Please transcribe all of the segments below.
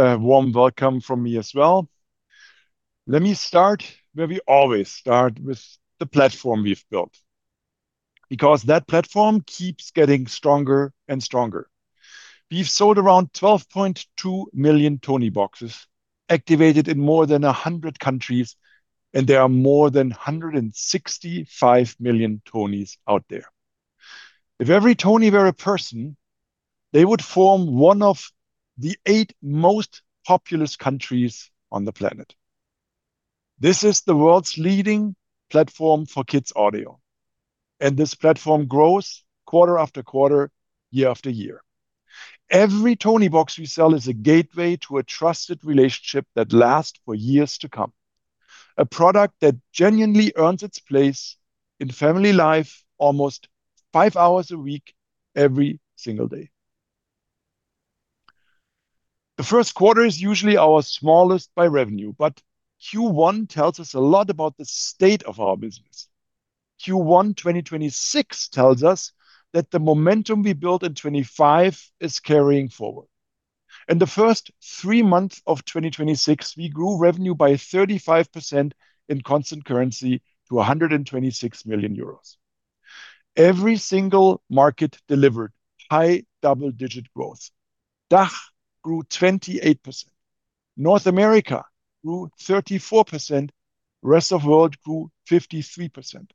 A warm welcome from me as well. Let me start where we always start, with the platform we've built. Because that platform keeps getting stronger and stronger. We've sold around 12.2 million Tonieboxes, activated in more than 100 countries, and there are more than 165 million Tonies out there. If every Tonie were a person, they would form one of the eight most populous countries on the planet. This is the world's leading platform for kids' audio, and this platform grows quarter after quarter, year after year. Every Toniebox we sell is a gateway to a trusted relationship that lasts for years to come. A product that genuinely earns its place in family life almost five hours a week every single day. The first quarter is usually our smallest by revenue, but Q1 tells us a lot about the state of our business. Q1 2026 tells us that the momentum we built in 2025 is carrying forward. In the first three months of 2026, we grew revenue by 35% in constant currency to 126 million euros. Every single market delivered high double-digit growth. DACH grew 28%. North America grew 34%. Rest of world grew 53%.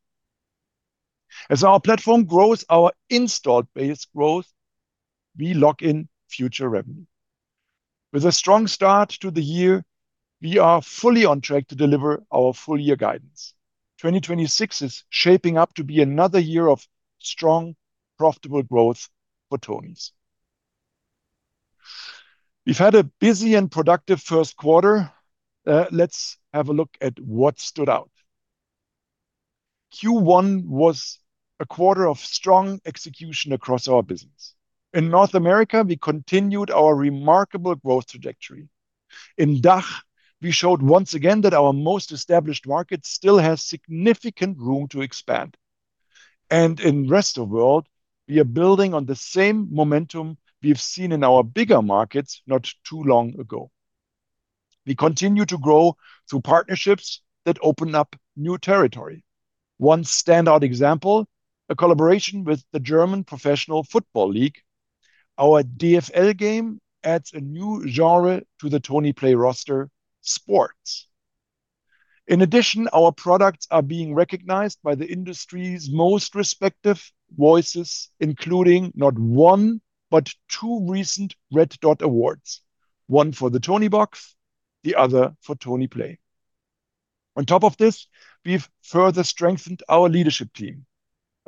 As our platform grows, our installed base grows, we lock in future revenue. With a strong start to the year, we are fully on track to deliver our full year guidance. 2026 is shaping up to be another year of strong, profitable growth for Tonies. We've had a busy and productive first quarter. Let's have a look at what stood out. Q1 was a quarter of strong execution across our business. In North America, we continued our remarkable growth trajectory. In DACH, we showed once again that our most established market still has significant room to expand. In rest of world, we are building on the same momentum we have seen in our bigger markets not too long ago. We continue to grow through partnerships that open up new territory. One standout example, a collaboration with the German Professional Football League. Our DFL game adds a new genre to the Tonieplay roster, sports. In addition, our products are being recognized by the industry's most respected voices, including not one but two recent Red Dot Awards. One for the Toniebox, the other for Tonieplay. On top of this, we've further strengthened our leadership team.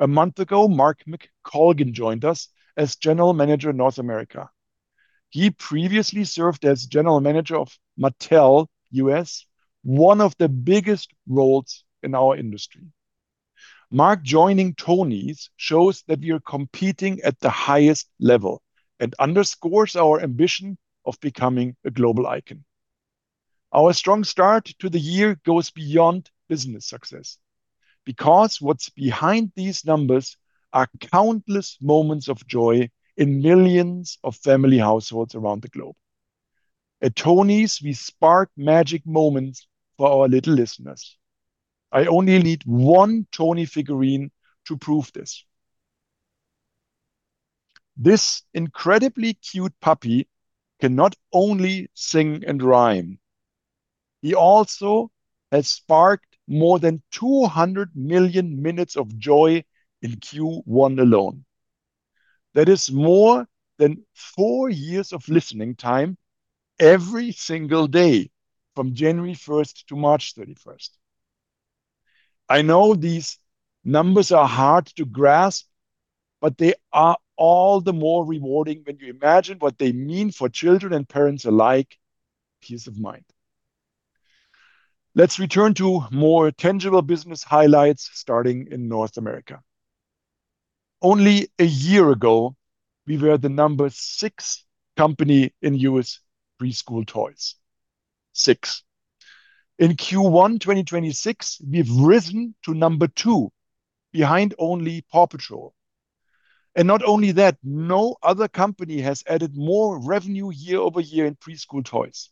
A month ago, Mark McColgan joined us as General Manager, North America. He previously served as General Manager of Mattel US, one of the biggest roles in our industry. Mark joining Tonies shows that we are competing at the highest level and underscores our ambition of becoming a global icon. Our strong start to the year goes beyond business success because what's behind these numbers are countless moments of joy in millions of family households around the globe. At Tonies, we spark magic moments for our little listeners. I only need one Tonie figurine to prove this. This incredibly cute puppy cannot only sing and rhyme, he also has sparked more than 200 million minutes of joy in Q1 alone. That is more than four years of listening time every single day from January 1st to March 31st. I know these numbers are hard to grasp, but they are all the more rewarding when you imagine what they mean for children and parents alike. Peace of mind. Let's return to more tangible business highlights, starting in North America. Only a year ago, we were the number six company in U.S. preschool toys. Six. In Q1, 2026, we've risen to number two, behind only PAW Patrol. No other company has added more revenue year-over-year in preschool toys.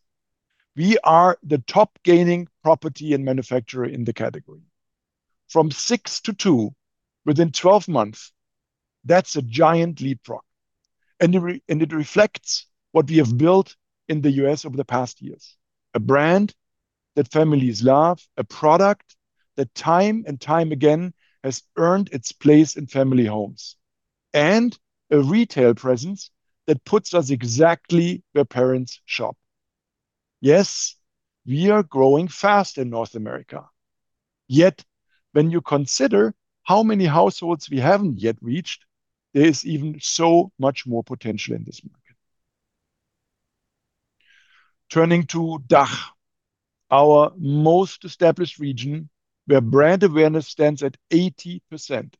We are the top gaining property and manufacturer in the category. From six to two within 12 months, that's a giant leap frog, and it reflects what we have built in the U.S. over the past years. A brand that families love, a product that time and time again has earned its place in family homes, and a retail presence that puts us exactly where parents shop. We are growing fast in North America, yet when you consider how many households we haven't yet reached, there is even so much more potential in this market. Turning to DACH, our most established region, where brand awareness stands at 80%.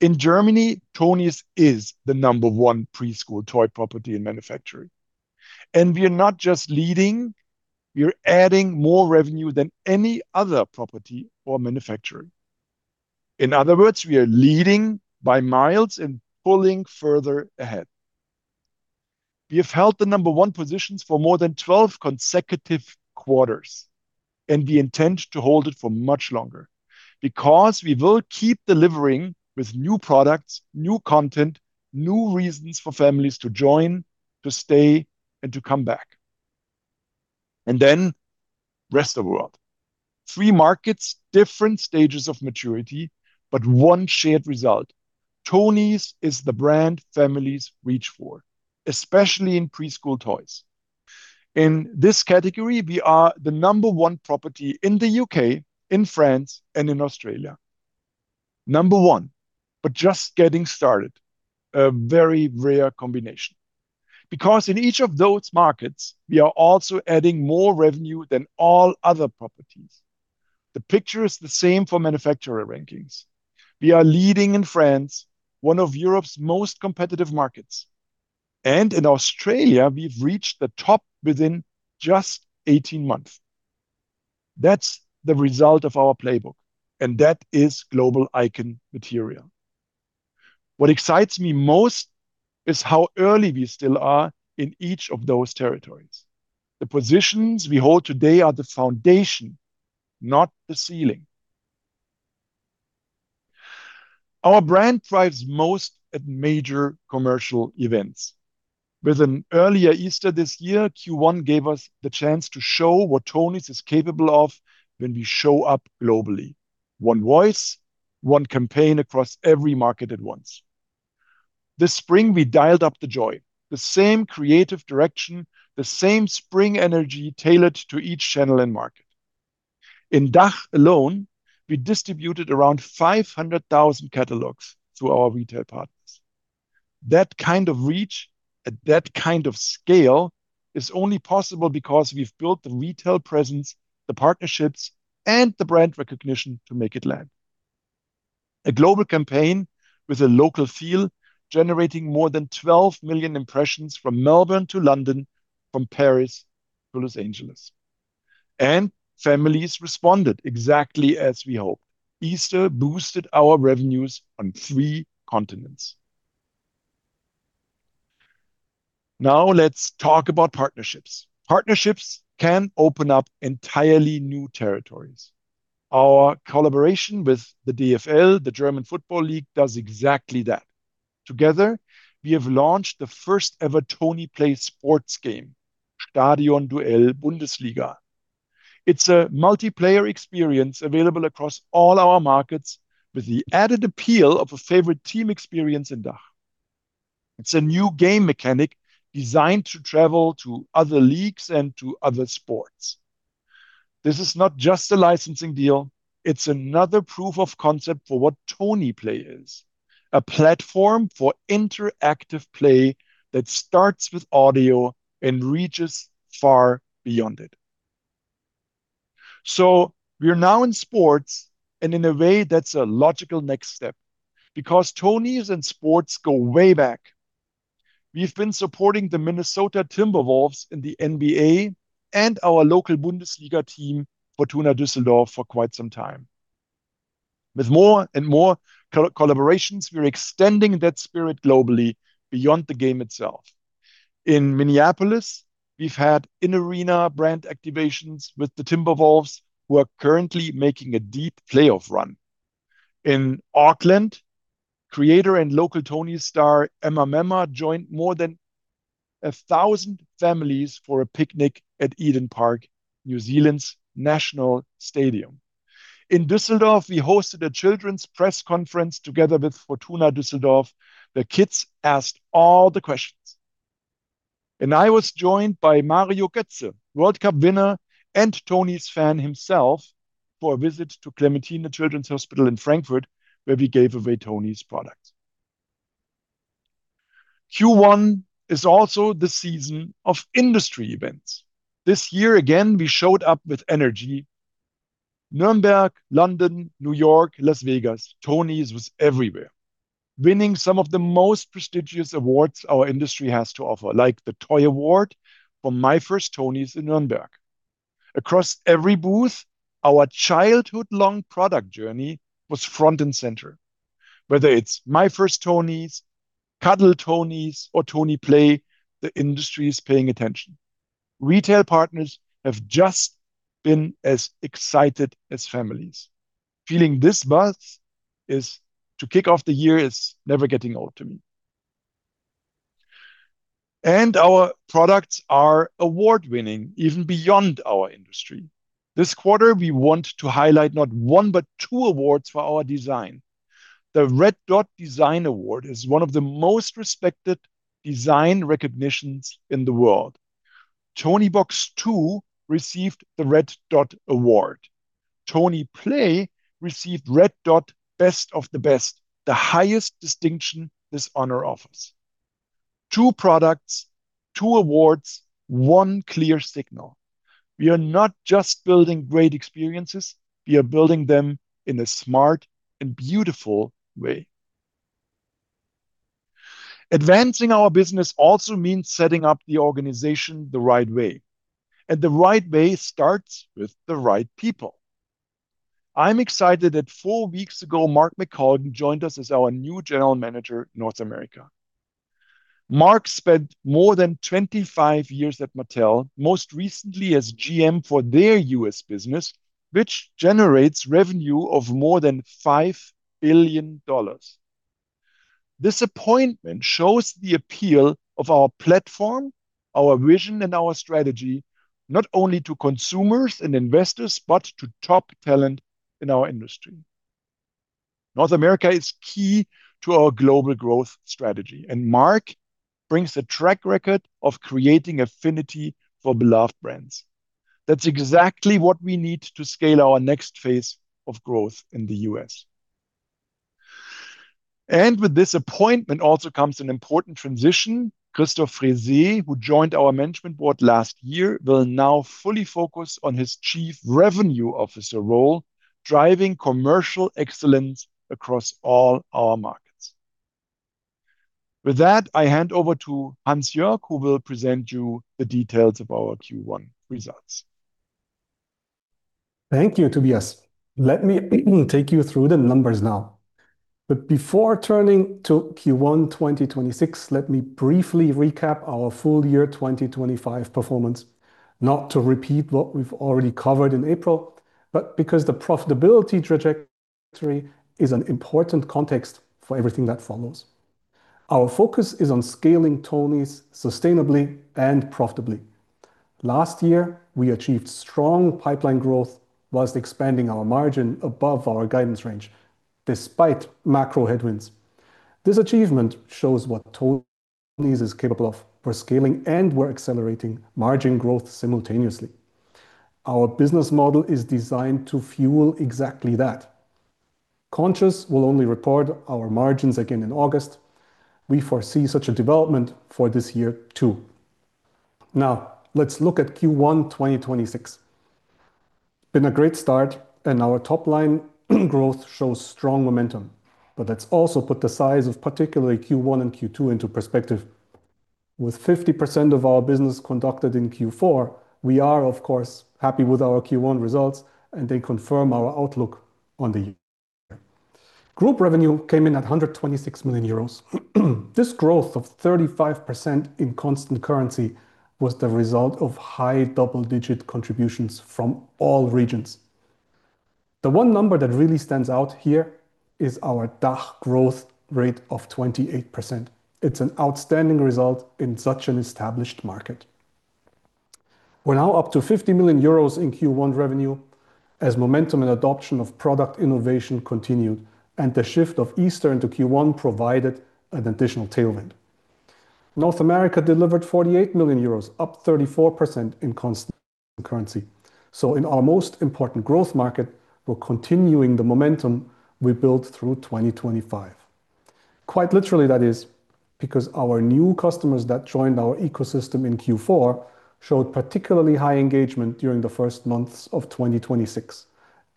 In Germany, Tonies is the number one preschool toy property and manufacturer, we are not just leading, we are adding more revenue than any other property or manufacturer. In other words, we are leading by miles and pulling further ahead. We have held the number one positions for more than 12 consecutive quarters, we intend to hold it for much longer because we will keep delivering with new products, new content, new reasons for families to join, to stay, and to come back. Rest of world. Three markets, different stages of maturity, one shared result. Tonies is the brand families reach for, especially in preschool toys. In this category, we are the number one property in the U.K., in France, and in Australia. Number one, but just getting started. A very rare combination. Because in each of those markets, we are also adding more revenue than all other properties. The picture is the same for manufacturer rankings. We are leading in France, one of Europe's most competitive markets. In Australia, we've reached the top within just 18 months. That's the result of our playbook, and that is global icon material. What excites me most is how early we still are in each of those territories. The positions we hold today are the foundation, not the ceiling. Our brand thrives most at major commercial events. With an earlier Easter this year, Q1 gave us the chance to show what Tonies is capable of when we show up globally. One voice, one campaign across every market at once. This spring, we dialed up the joy. The same creative direction, the same spring energy tailored to each channel and market. In DACH alone, we distributed around 500,000 catalogs to our retail partners. That kind of reach at that kind of scale is only possible because we've built the retail presence, the partnerships, and the brand recognition to make it land. A global campaign with a local feel generating more than 12 million impressions from Melbourne to London, from Paris to Los Angeles. Families responded exactly as we hoped. Easter boosted our revenues on three continents. Let's talk about partnerships. Partnerships can open up entirely new territories. Our collaboration with the DFL, the German Football League, does exactly that. Together, we have launched the first ever Tonieplay sports game, Stadionduell Bundesliga. It's a multiplayer experience available across all our markets with the added appeal of a favorite team experience in DACH. It's a new game mechanic designed to travel to other leagues and to other sports. This is not just a licensing deal, it's another proof of concept for what Tonieplay is, a platform for interactive play that starts with audio and reaches far beyond it. We're now in sports, and in a way that's a logical next step because Tonies and sports go way back. We've been supporting the Minnesota Timberwolves in the NBA and our local Bundesliga team, Fortuna Düsseldorf, for quite some time. With more and more collaborations, we're extending that spirit globally beyond the game itself. In Minneapolis, we've had in-arena brand activations with the Timberwolves, who are currently making a deep playoff run. In Auckland, creator and local Tonies star Emma Memma joined more than 1,000 families for a picnic at Eden Park, New Zealand's national stadium. In Düsseldorf, we hosted a children's press conference together with Fortuna Düsseldorf. The kids asked all the questions. I was joined by Mario Götze, World Cup winner and Tonies fan himself, for a visit to Clementine, the Children's Hospital in Frankfurt, where we gave away Tonies products. Q1 is also the season of industry events. This year again, we showed up with energy. Nürnberg, London, New York, Las Vegas, Tonies was everywhere, winning some of the most prestigious awards our industry has to offer, like the ToyAward for My First Tonies in Nürnberg. Across every booth, our childhood long product journey was front and center. Whether it's My First Tonies, Cuddle Tonies, or Tonieplay, the industry is paying attention. Retail partners have just been as excited as families. Feeling this buzz to kick off the year is never getting old to me. Our products are award-winning even beyond our industry. This quarter, we want to highlight not one, but two awards for our design. The Red Dot Design Award is one of the most respected design recognitions in the world. Toniebox 2 received the Red Dot Award. Tonieplay received Red Dot: Best of the Best, the highest distinction this honor offers. Two products, two awards, one clear signal. We are not just building great experiences, we are building them in a smart and beautiful way. Advancing our business also means setting up the organization the right way, and the right way starts with the right people. I'm excited that four weeks ago, Mark McColgan joined us as our new General Manager, North America. Mark spent more than 25 years at Mattel, most recently as GM for their U.S. business, which generates revenue of more than $5 billion. This appointment shows the appeal of our platform, our vision, and our strategy, not only to consumers and investors, but to top talent in our industry. North America is key to our global growth strategy. Mark brings a track record of creating affinity for beloved brands. That's exactly what we need to scale our next phase of growth in the U.S. With this appointment also comes an important transition. Christoph Frehsee, who joined our management board last year, will now fully focus on his Chief Revenue Officer role, driving commercial excellence across all our markets. With that, I hand over to Hansjoerg who will present you the details of our Q1 results. Thank you, Tobias. Let me take you through the numbers now. Before turning to Q1 2026, let me briefly recap our full year 2025 performance. Not to repeat what we’ve already covered in April, because the profitability trajectory is an important context for everything that follows. Our focus is on scaling Tonies sustainably and profitably. Last year, we achieved strong pipeline growth while expanding our margin above our guidance range despite macro headwinds. This achievement shows what Tonies is capable of. We’re scaling, we’re accelerating margin growth simultaneously. Our business model is designed to fuel exactly that. Consequently, we will only report our margins again in August. We foresee such a development for this year too. Let’s look at Q1 2026. It’s been a great start, our top line growth shows strong momentum. Let's also put the size of particularly Q1 and Q2 into perspective. With 50% of our business conducted in Q4, we are, of course, happy with our Q1 results, and they confirm our outlook on the year. Group revenue came in at 126 million euros. This growth of 35% in constant currency was the result of high double-digit contributions from all regions. The one number that really stands out here is our DACH growth rate of 28%. It's an outstanding result in such an established market. We're now up to 50 million euros in Q1 revenue as momentum and adoption of product innovation continued, and the shift of Easter into Q1 provided an additional tailwind. North America delivered 48 million euros, up 34% in constant currency. In our most important growth market, we're continuing the momentum we built through 2025. Quite literally, that is because our new customers that joined our ecosystem in Q4 showed particularly high engagement during the first months of 2026,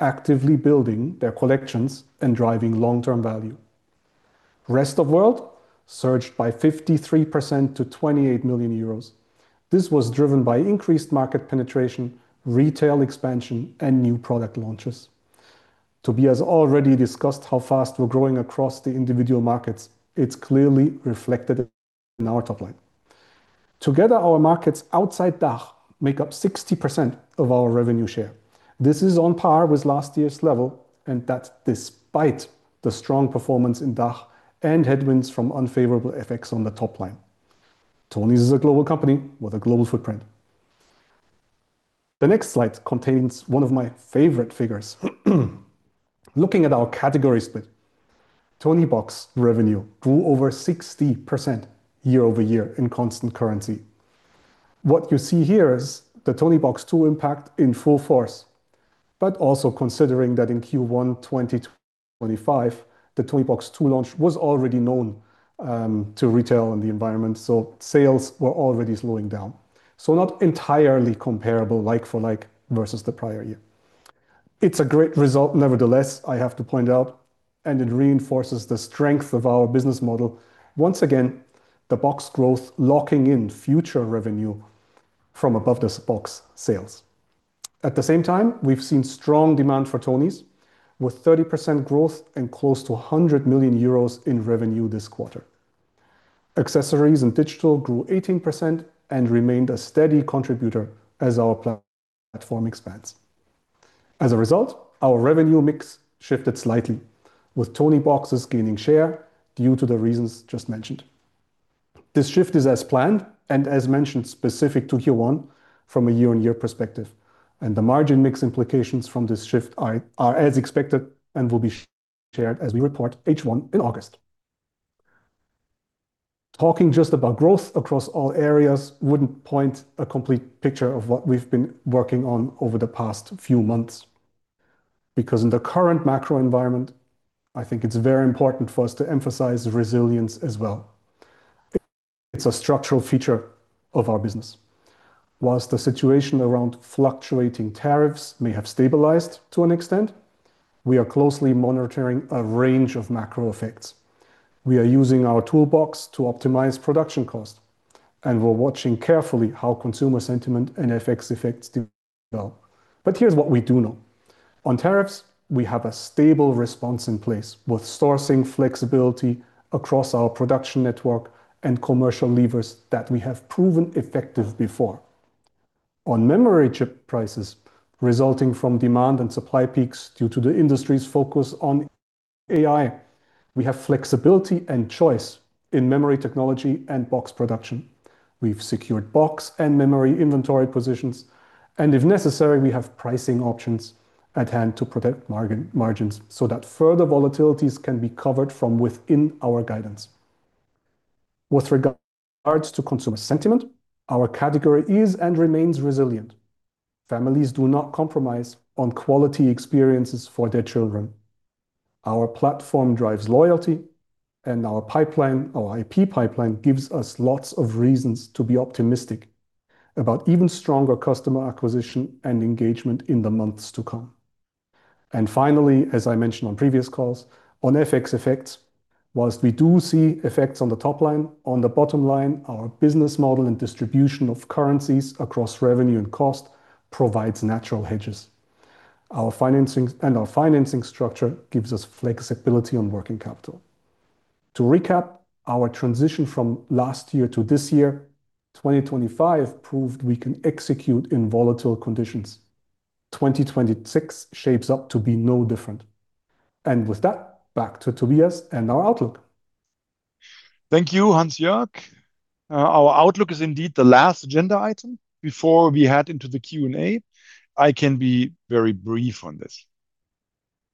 actively building their collections and driving long-term value. Rest of World surged by 53% to 28 million euros. This was driven by increased market penetration, retail expansion, and new product launches. Tobias already discussed how fast we're growing across the individual markets. It's clearly reflected in our top line. Together, our markets outside DACH make up 60% of our revenue share. This is on par with last year's level, and that's despite the strong performance in DACH and headwinds from unfavorable FX on the top line. Tonies is a global company with a global footprint. The next slide contains one of my favorite figures. Looking at our category split, Toniebox revenue grew over 60% year-over-year in constant currency. What you see here is the Toniebox 2 impact in full force. Also considering that in Q1 2025, the Toniebox 2 launch was already known to retail and the environment, sales were already slowing down. Not entirely comparable like for like versus the prior year. It's a great result nevertheless, I have to point out, and it reinforces the strength of our business model. Once again, the Toniebox growth locking in future revenue from above the Toniebox sales. At the same time, we've seen strong demand for Tonies with 30% growth and close to 100 million euros in revenue this quarter. Accessories and digital grew 18% and remained a steady contributor as our platform expands. As a result, our revenue mix shifted slightly, with Tonieboxes gaining share due to the reasons just mentioned. This shift is as planned and, as mentioned, specific to Q1 from a year-on-year perspective, and the margin mix implications from this shift are as expected and will be shared as we report H1 in August. Talking just about growth across all areas wouldn't point a complete picture of what we've been working on over the past few months. In the current macro environment, I think it's very important for us to emphasize resilience as well. It's a structural feature of our business. While the situation around fluctuating tariffs may have stabilized to an extent, we are closely monitoring a range of macro effects. We are using our toolbox to optimize production cost, and we're watching carefully how consumer sentiment and FX effects develop. Here's what we do know. On tariffs, we have a stable response in place, with sourcing flexibility across our production network and commercial levers that we have proven effective before. On memory chip prices resulting from demand and supply peaks due to the industry's focus on AI, we have flexibility and choice in memory technology and box production. We've secured box and memory inventory positions and, if necessary, we have pricing options at hand to protect margins so that further volatilities can be covered from within our guidance. With regards to consumer sentiment, our category is and remains resilient. Families do not compromise on quality experiences for their children. Our platform drives loyalty and our pipeline, our IP pipeline gives us lots of reasons to be optimistic about even stronger customer acquisition and engagement in the months to come. Finally, as I mentioned on previous calls, on FX effects, whilst we do see effects on the top line, on the bottom line, our business model and distribution of currencies across revenue and cost provides natural hedges. Our financing structure gives us flexibility on working capital. To recap, our transition from last year to this year, 2025 proved we can execute in volatile conditions. 2026 shapes up to be no different. With that, back to Tobias and our outlook. Thank you, Hansjoerg. Our outlook is indeed the last agenda item before we head into the Q&A. I can be very brief on this.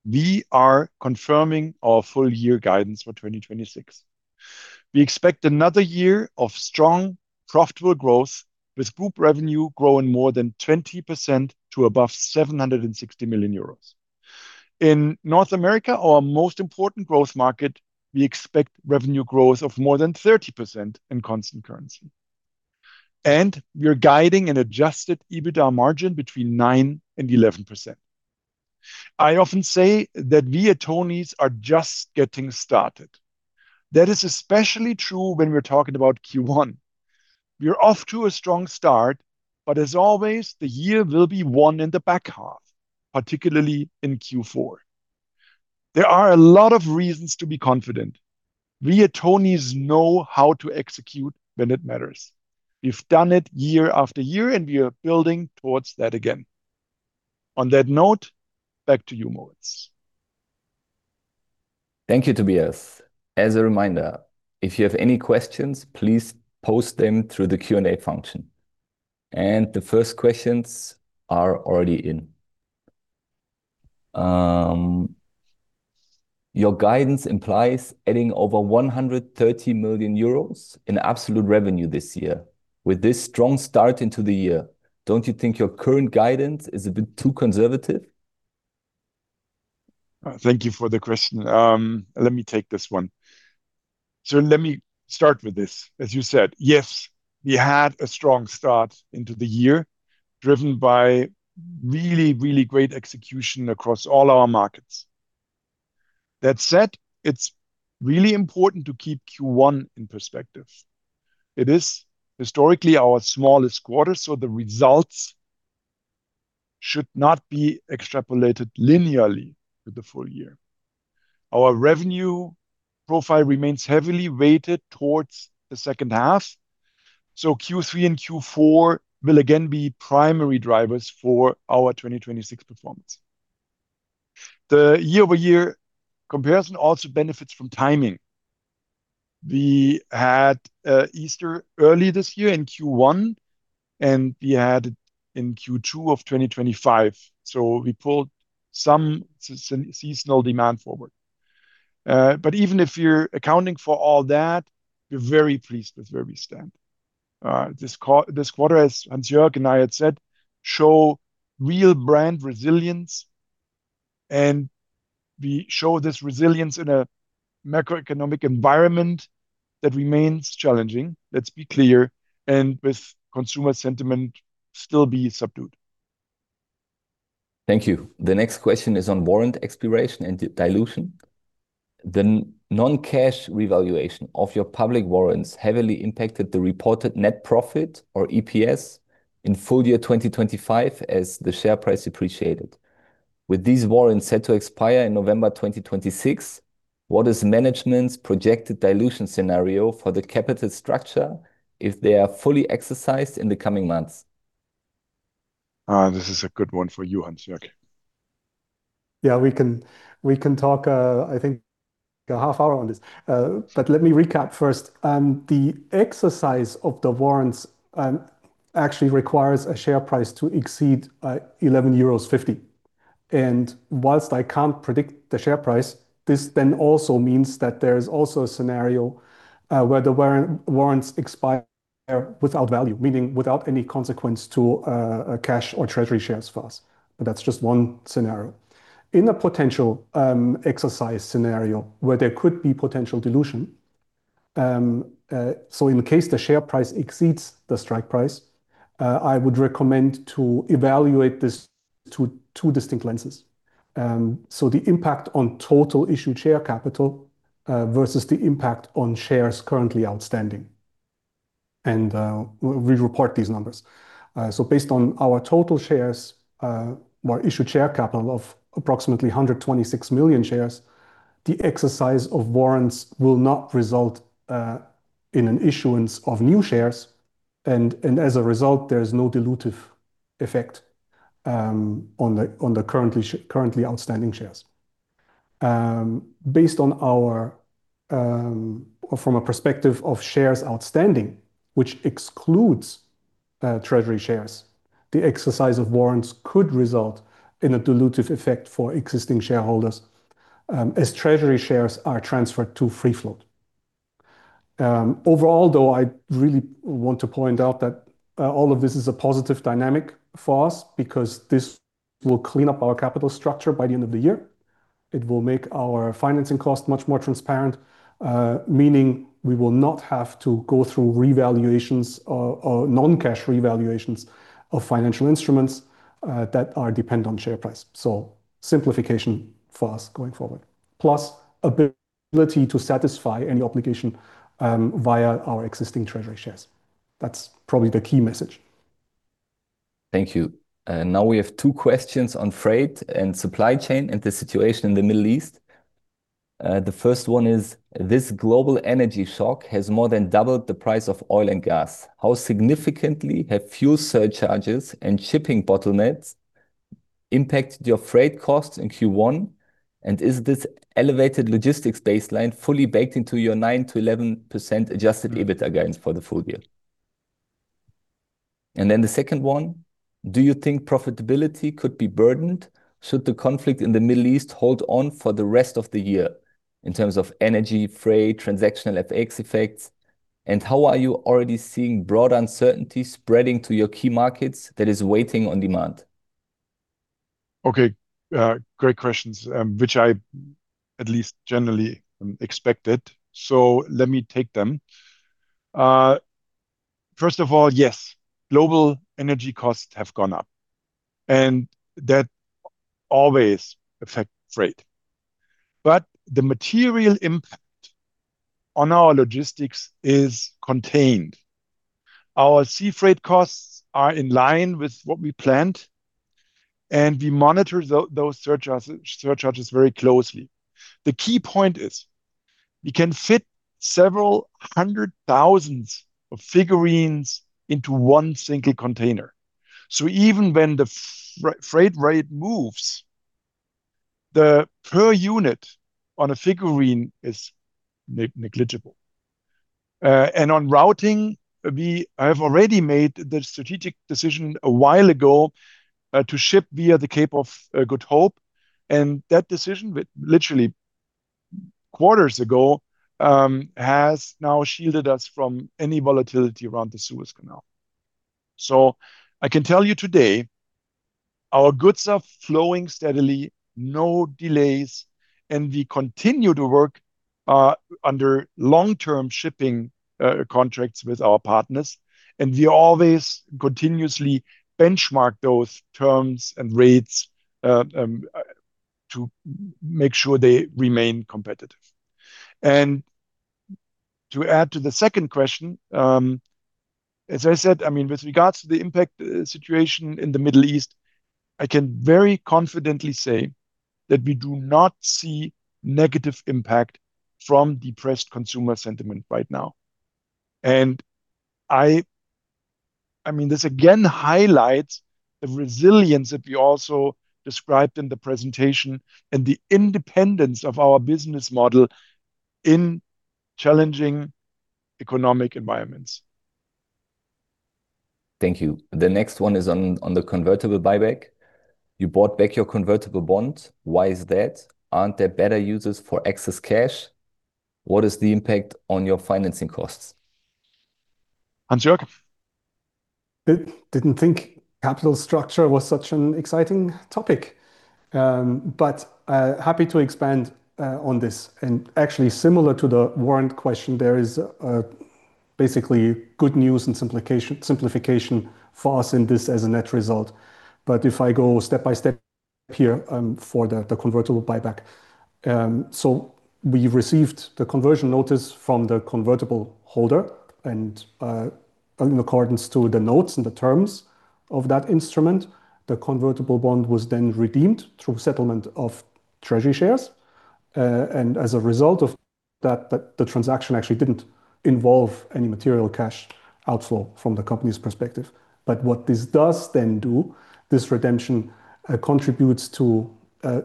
We are confirming our full year guidance for 2026. We expect another year of strong, profitable growth, with group revenue growing more than 20% to above 760 million euros. In North America, our most important growth market, we expect revenue growth of more than 30% in constant currency. We are guiding an adjusted EBITDA margin between 9%-11%. I often say that we at Tonies are just getting started. That is especially true when we're talking about Q1. We are off to a strong start but, as always, the year will be won in the back half, particularly in Q4. There are a lot of reasons to be confident. We at Tonies know how to execute when it matters. We've done it year after year. We are building towards that again. On that note, back to you, Moritz. Thank you, Tobias. As a reminder, if you have any questions, please post them through the Q&A function. The first questions are already in. Your guidance implies adding over 130 million euros in absolute revenue this year. With this strong start into the year, don't you think your current guidance is a bit too conservative? Thank you for the question. Let me take this one. Let me start with this. As you said, yes, we had a strong start into the year, driven by really great execution across all our markets. That said, it's really important to keep Q1 in perspective. It is historically our smallest quarter, the results should not be extrapolated linearly with the full year. Our revenue profile remains heavily weighted towards the second half, Q3 and Q4 will again be primary drivers for our 2026 performance. The year-over-year comparison also benefits from timing. We had Easter early this year in Q1, and we had it in Q2 of 2025, we pulled some seasonal demand forward. Even if you're accounting for all that, we're very pleased with where we stand. This quarter, as Hansjoerg and I had said, show real brand resilience and we show this resilience in a macroeconomic environment that remains challenging, let's be clear, and with consumer sentiment still be subdued. Thank you. The next question is on warrant expiration and dilution. The non-cash revaluation of your public warrants heavily impacted the reported net profit or EPS in full year 2025 as the share price appreciated. With these warrants set to expire in November 2026, what is management's projected dilution scenario for the capital structure if they are fully exercised in the coming months? This is a good one for you, Hansjoerg. Yeah, we can talk, I think a half hour on this. Let me recap first. The exercise of the warrants actually requires a share price to exceed 11.50 euros. Whilst I can't predict the share price, this then also means that there is also a scenario where the warrants expire without value, meaning without any consequence to cash or treasury shares for us. That's just one scenario. In a potential exercise scenario where there could be potential dilution, in case the share price exceeds the strike price, I would recommend to evaluate this to two distinct lenses. The impact on total issued share capital versus the impact on shares currently outstanding, and we report these numbers. Based on our total shares, or issued share capital of approximately 126 million shares, the exercise of warrants will not result in an issuance of new shares, and as a result, there is no dilutive effect on the currently outstanding shares. Based on our, or from a perspective of shares outstanding, which excludes treasury shares, the exercise of warrants could result in a dilutive effect for existing shareholders, as treasury shares are transferred to free float. Overall, though, I really want to point out that all of this is a positive dynamic for us because this will clean up our capital structure by the end of the year. It will make our financing cost much more transparent, meaning we will not have to go through revaluations or non-cash revaluations of financial instruments that are dependent on share price. Simplification for us going forward. Plus ability to satisfy any obligation via our existing treasury shares. That's probably the key message. Thank you. Now we have two questions on freight and supply chain and the situation in the Middle East. The first one is, this global energy shock has more than doubled the price of oil and gas. How significantly have fuel surcharges and shipping bottlenecks impacted your freight costs in Q1? Is this elevated logistics baseline fully baked into your 9% to 11% adjusted EBITDA gains for the full year? The second one, do you think profitability could be burdened should the conflict in the Middle East hold on for the rest of the year in terms of energy, freight, transactional FX effects? How are you already seeing broader uncertainty spreading to your key markets that is waiting on demand? Great questions, I at least generally expected. Let me take them. First of all, yes, global energy costs have gone up, that always affect freight. The material impact on our logistics is contained. Our sea freight costs are in line with what we planned, we monitor those surcharges very closely. The key point is we can fit several hundred thousands of figurines into 1 single container. Even when the freight rate moves, the per unit on a figurine is negligible. On routing, we have already made the strategic decision a while ago to ship via the Cape of Good Hope. That decision with literally quarters ago has now shielded us from any volatility around the Suez Canal. I can tell you today, our goods are flowing steadily, no delays, and we continue to work under long-term shipping contracts with our partners, and we always continuously benchmark those terms and rates to make sure they remain competitive. To add to the second question, as I said, I mean, with regards to the impact situation in the Middle East, I can very confidently say that we do not see negative impact from depressed consumer sentiment right now. I mean, this again highlights the resilience that we also described in the presentation and the independence of our business model in challenging economic environments. Thank you. The next one is on the convertible buyback. You bought back your convertible bond. Why is that? Aren't there better uses for excess cash? What is the impact on your financing costs? Hansjoerg? Didn't think capital structure was such an exciting topic. Happy to expand on this. Actually similar to the warrant question, there is basically good news and simplification for us in this as a net result. If I go step by step here, for the convertible buyback. We received the conversion notice from the convertible holder and in accordance to the notes and the terms of that instrument, the convertible bond was then redeemed through settlement of treasury shares. As a result of that, the transaction actually didn't involve any material cash outflow from the company's perspective. What this does then do, this redemption contributes to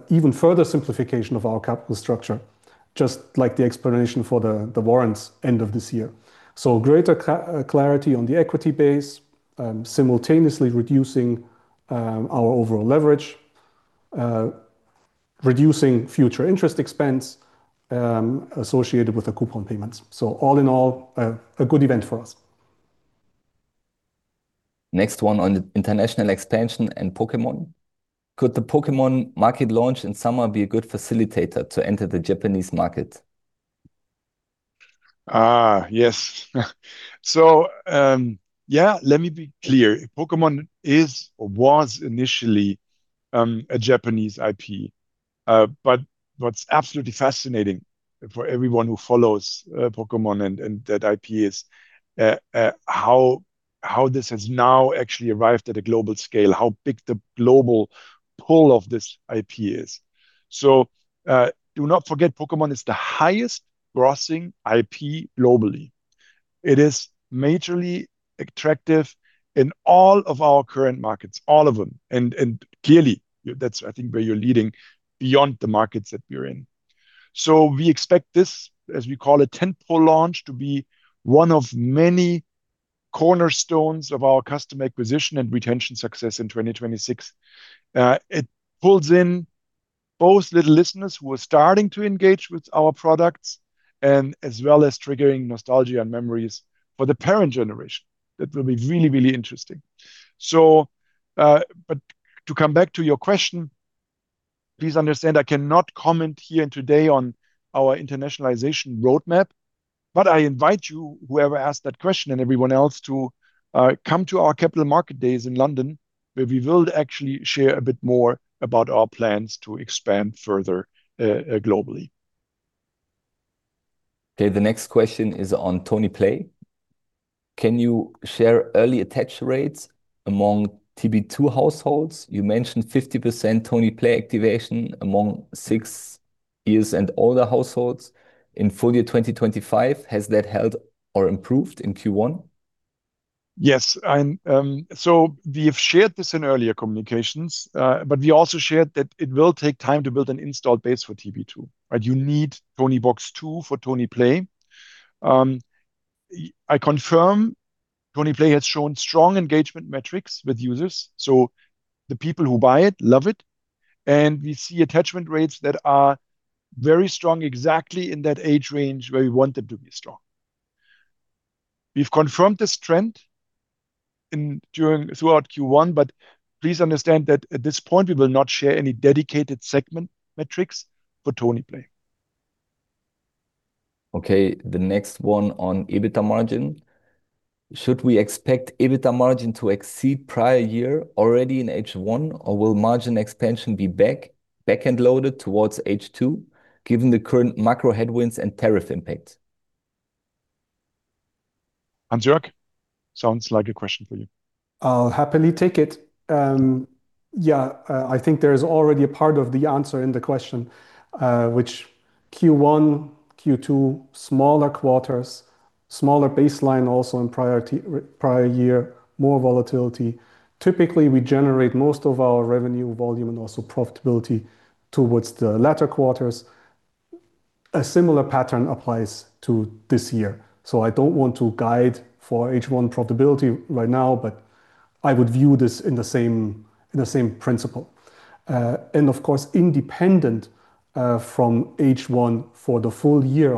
even further simplification of our capital structure, just like the explanation for the warrants end of this year. Greater clarity on the equity base, simultaneously reducing our overall leverage, reducing future interest expense associated with the coupon payments. All in all, a good event for us. Next one on international expansion and Pokémon. Could the Pokémon market launch in summer be a good facilitator to enter the Japanese market? Let me be clear. Pokémon is or was initially a Japanese IP. What's absolutely fascinating for everyone who follows Pokémon and that IP is how this has now actually arrived at a global scale, how big the global pull of this IP is. Do not forget Pokémon is the highest grossing IP globally. It is majorly attractive in all of our current markets, all of them, and clearly that's, I think, where you're leading beyond the markets that we're in. We expect this, as we call it, tentpole launch to be 1 of many cornerstones of our customer acquisition and retention success in 2026. It pulls in both little listeners who are starting to engage with our products and as well as triggering nostalgia and memories for the parent generation. That will be really, really interesting. To come back to your question, please understand I cannot comment here and today on our internationalization roadmap, but I invite you, whoever asked that question and everyone else to come to our Capital Markets Days in London, where we will actually share a bit more about our plans to expand further globally. Okay, the next question is on Tonieplay. Can you share early attach rates among TB2 households? You mentioned 50% Tonieplay activation among 6 years and older households in full year 2025. Has that held or improved in Q1? We have shared this in earlier communications, but we also shared that it will take time to build an installed base for TB2, right? You need Toniebox 2 for Tonieplay. I confirm Tonieplay has shown strong engagement metrics with users, so the people who buy it love it, and we see attachment rates that are very strong exactly in that age range where we want them to be strong. We've confirmed this trend throughout Q1, please understand that at this point we will not share any dedicated segment metrics for Tonieplay. Okay, the next one on EBITDA margin. Should we expect EBITDA margin to exceed prior year already in H1, or will margin expansion be back-end loaded towards H2, given the current macro headwinds and tariff impacts? Hansjoerg sounds like a question for you. I'll happily take it. I think there's already a part of the answer in the question, which Q1, Q2, smaller quarters, smaller baseline also in prior year, more volatility. Typically, we generate most of our revenue volume and also profitability towards the latter quarters. A similar pattern applies to this year. I don't want to guide for H1 profitability right now, but I would view this in the same principle. Of course, independent from H1 for the full year,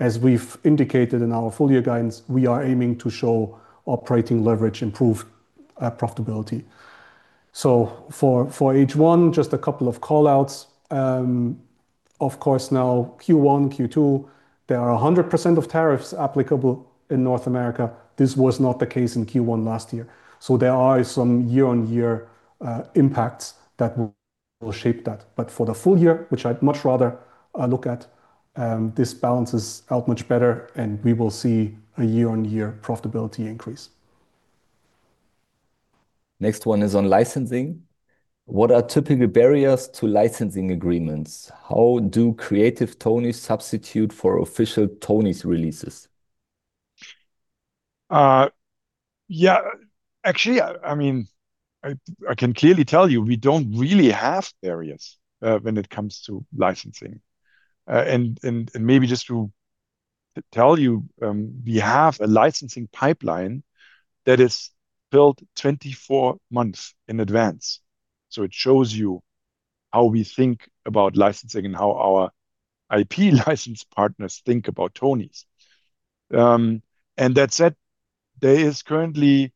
as we've indicated in our full year guidance, we are aiming to show operating leverage, improved profitability. For H1, just a couple of call-outs. Of course, now Q1, Q2, there are 100% of tariffs applicable in North America. This was not the case in Q1 last year. There are some year-on-year impacts that will shape that. For the full year, which I'd much rather look at, this balances out much better, and we will see a year-on-year profitability increase. Next one is on licensing. What are typical barriers to licensing agreements? How do creative Tonies substitute for official Tonies releases? I can clearly tell you we don't really have barriers when it comes to licensing. Maybe just to tell you, we have a licensing pipeline that is built 24 months in advance. It shows you how we think about licensing and how our IP license partners think about Tonies. That said, there is currently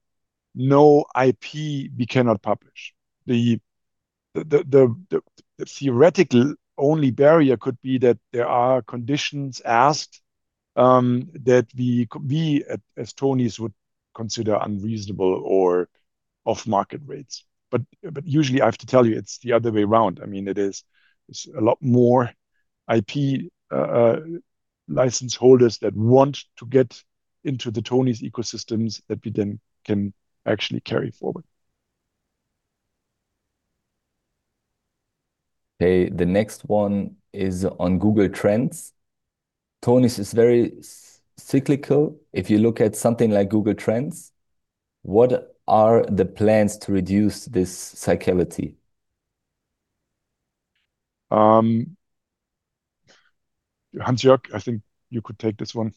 no IP we cannot publish. The theoretical only barrier could be that there are conditions asked that we as Tonies would consider unreasonable or off market rates. Usually I have to tell you, it's the other way around. I mean, there's a lot more IP license holders that want to get into the Tonies ecosystems that we then can actually carry forward. Okay. The next one is on Google Trends. Tonies is very cyclical. If you look at something like Google Trends, what are the plans to reduce this cyclicality? Hansjoerg, I think you could take this one.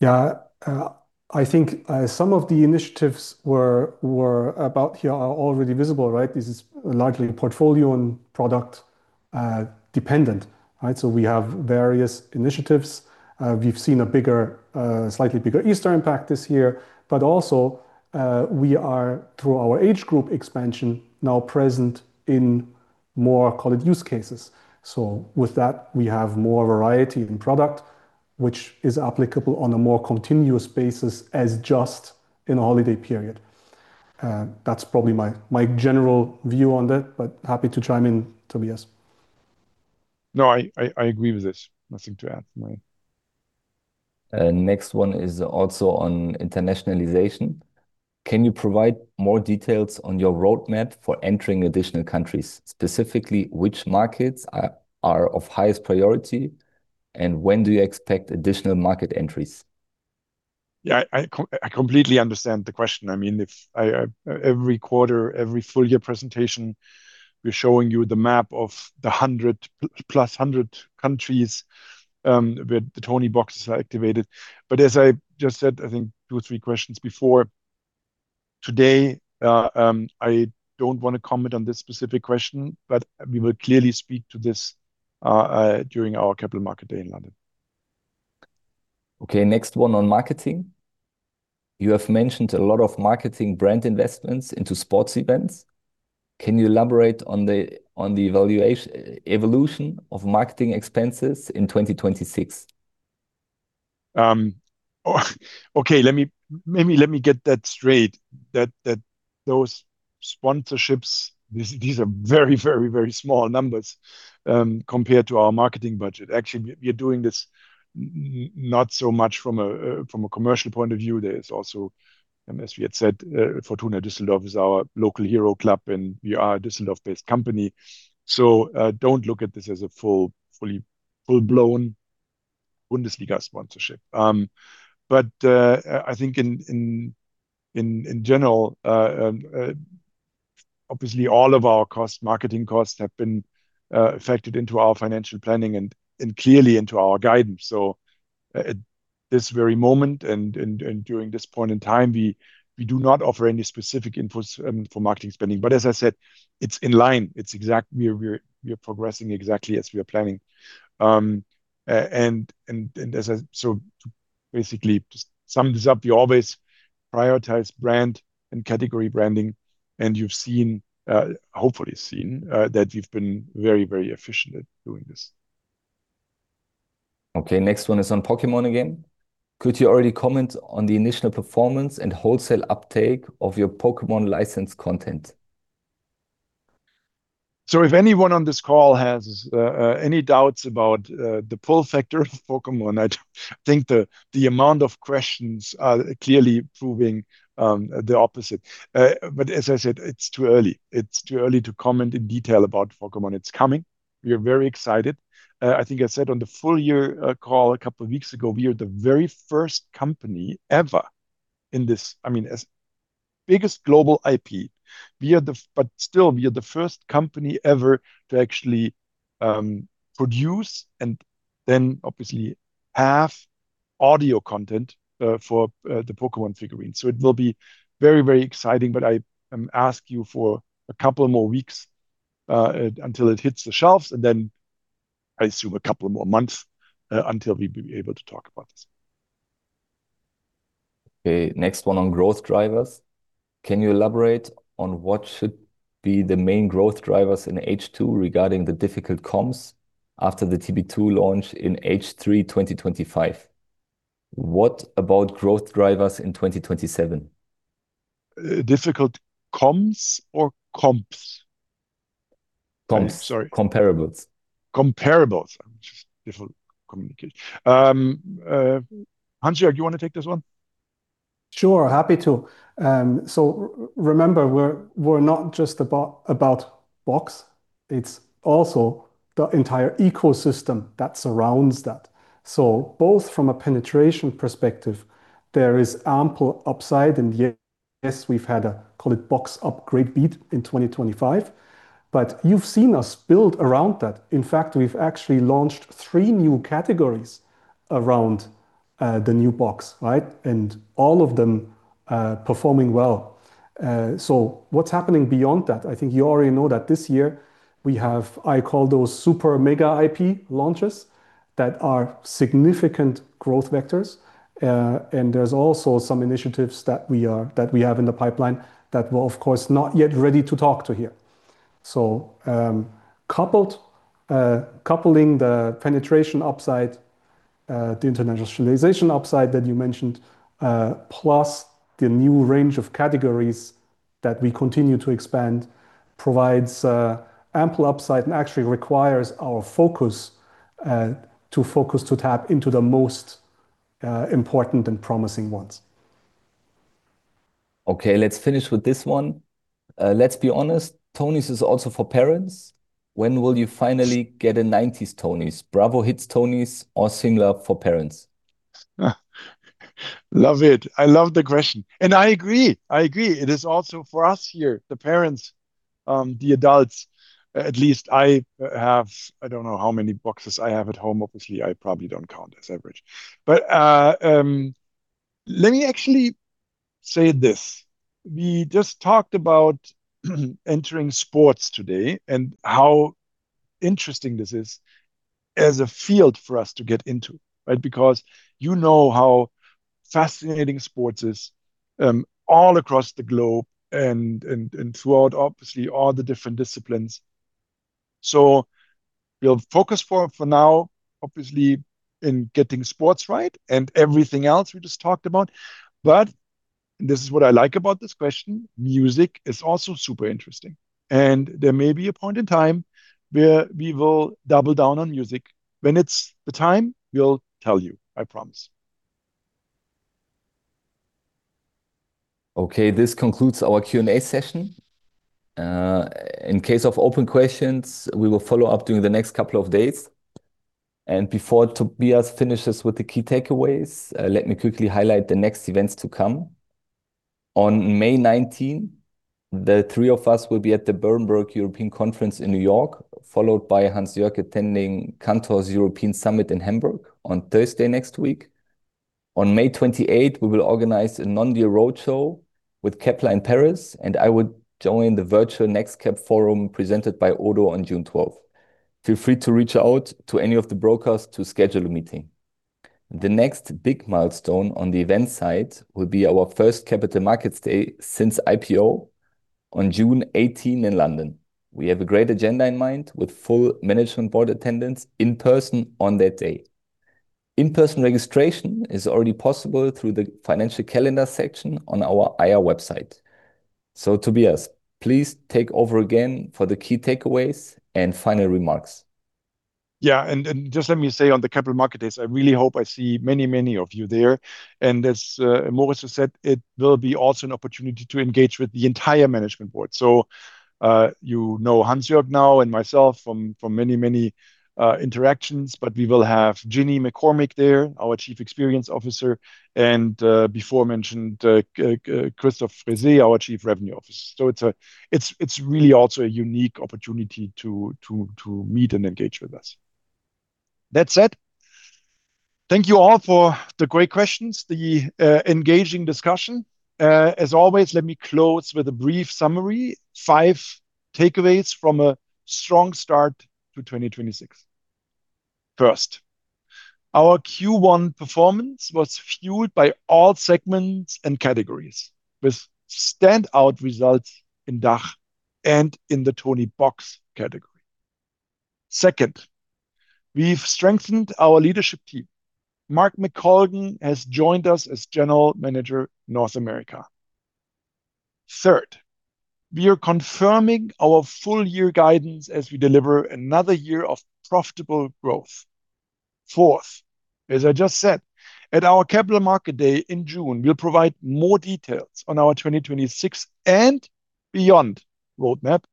Yeah. I think some of the initiatives were about here are already visible, right? This is largely a portfolio and product dependent, right? We have various initiatives. We've seen a bigger, slightly bigger Easter impact this year, but also, we are, through our age group expansion, now present in more call it use cases. With that, we have more variety in product, which is applicable on a more continuous basis as just in a holiday period. That's probably my general view on that, but happy to chime in, Tobias. No, I agree with this. Nothing to add to mine. Next one is also on internationalization. Can you provide more details on your roadmap for entering additional countries? Specifically, which markets are of highest priority, and when do you expect additional market entries? Yeah, I completely understand the question. I mean, if every quarter, every full year presentation, we're showing you the map of the 100 plus 100 countries where the Tonieboxes are activated. As I just said, I think two or three questions before today, I don't wanna comment on this specific question, but we will clearly speak to this during our Capital Markets Day in London. Okay, next one on marketing. You have mentioned a lot of marketing brand investments into sports events. Can you elaborate on the evolution of marketing expenses in 2026? Let me get that straight that those sponsorships, these are very, very, very small numbers compared to our marketing budget. Actually, we're doing this not so much from a commercial point of view. There is also, as we had said, Fortuna Düsseldorf is our local hero club, and we are a Düsseldorf-based company. Don't look at this as a full, fully, full-blown Bundesliga sponsorship. I think in general, obviously all of our cost, marketing costs have been factored into our financial planning and clearly into our guidance. At this very moment and during this point in time, we do not offer any specific inputs for marketing spending. As I said, it's in line. We're progressing exactly as we are planning. To basically just sum this up, we always prioritize brand and category branding, you've seen, hopefully seen, that we've been very efficient at doing this. Okay, next one is on Pokémon again. Could you already comment on the initial performance and wholesale uptake of your Pokémon licensed content? If anyone on this call has any doubts about the pull factor of Pokémon, I think the amount of questions are clearly proving the opposite. As I said, it's too early. It's too early to comment in detail about Pokémon. It's coming. We are very excited. I think I said on the full year call a couple of weeks ago, we are the very first company ever in this, I mean, as biggest global IP, we are the first company ever to actually produce and then obviously have audio content for the Pokémon figurine. It will be very, very exciting, but I am ask you for a couple more weeks until it hits the shelves, and then I assume a couple of more months until we'll be able to talk about this. Okay, next one on growth drivers. Can you elaborate on what should be the main growth drivers in H2 regarding the difficult comms after the TB2 launch in H3 2025? What about growth drivers in 2027? Difficult comms or comps? Comps. I'm sorry. Comparables. Comparables. Just difficult communication. Hansjoerg you wanna take this one? Sure, happy to. Remember, we're not just about box. It's also the entire ecosystem that surrounds that. Both from a penetration perspective, there is ample upside and yet, yes, we've had a call it box upgrade beat in 2025, but you've seen us build around that. In fact, we've actually launched three new categories around the new box, right? All of them performing well. What's happening beyond that? I think you already know that this year we have, I call those super mega IP launches that are significant growth vectors. There's also some initiatives that we have in the pipeline that we're, of course, not yet ready to talk to here. Coupling the penetration upside, the internationalization upside that you mentioned, plus the new range of categories that we continue to expand provides ample upside and actually requires our focus to tap into the most important and promising ones. Let's finish with this one. Let's be honest, Tonies is also for parents. When will you finally get a nineties Tonies, Bravo Hits Tonies or [Singular] for parents? Love it. I love the question. I agree. I agree. It is also for us here, the parents, the adults, at least I don't know how many boxes I have at home. Obviously, I probably don't count as average. Let me actually say this. We just talked about entering sports today and how interesting this is as a field for us to get into, right? Because you know how fascinating sports is, all across the globe and throughout, obviously, all the different disciplines. We'll focus for now, obviously, in getting sports right and everything else we just talked about. This is what I like about this question, music is also super interesting, and there may be a point in time where we will double down on music. When it's the time, we'll tell you, I promise. Okay. This concludes our Q&A session. In case of open questions, we will follow up during the next couple of days. Before Tobias finishes with the key takeaways, let me quickly highlight the next events to come. On May 19, the three of us will be at the Berenberg European Conference in New York, followed by Hansjoerg attending Cantor's European Summit in Hamburg on Thursday next week. On May 28, we will organize a non-deal roadshow with Kepler in Paris, and I would join the virtual NextCap Forum presented by ODDO BHF on June 12. Feel free to reach out to any of the brokers to schedule a meeting. The next big milestone on the event side will be our first Capital Markets Day since IPO on June 18 in London. We have a great agenda in mind with full management board attendance in person on that day. In-person registration is already possible through the financial calendar section on our IR website. Tobias, please take over again for the key takeaways and final remarks. Yeah. Just let me say on the Capital Markets days, I really hope I see many, many of you there. As Moritz has said, it will be also an opportunity to engage with the entire management board. You know Hansjoerg now and myself from many, many interactions, but we will have Ginny McCormick there, our Chief Experience Officer, and before mentioned Christoph Frehsee, our Chief Revenue Officer. It's really also a unique opportunity to meet and engage with us. That said, thank you all for the great questions, the engaging discussion. As always, let me close with a brief summary, five takeaways from a strong start to 2026. Our Q1 performance was fueled by all segments and categories with standout results in DACH and in the Toniebox category. We've strengthened our leadership team. Mark McColgan has joined us as general manager, North America. We are confirming our full year guidance as we deliver another year of profitable growth. As I just said, at our Capital Markets Day in June, we'll provide more details on our 2026 and beyond roadmap,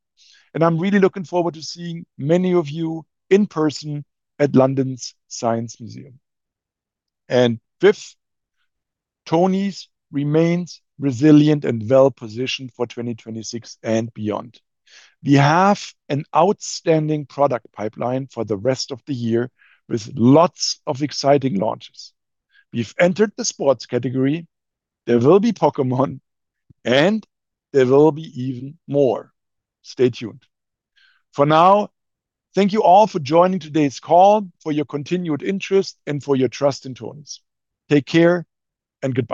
and I'm really looking forward to seeing many of you in person at London's Science Museum. Tonies remains resilient and well-positioned for 2026 and beyond. We have an outstanding product pipeline for the rest of the year with lots of exciting launches. We've entered the sports category. There will be Pokémon, and there will be even more. Stay tuned. For now, thank you all for joining today's call, for your continued interest, and for your trust in Tonies. Take care, and goodbye.